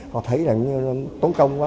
họ thấy là tốn công quá